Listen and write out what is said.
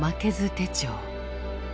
手帳。